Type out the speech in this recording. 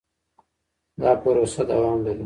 دا پروسه دوام لري.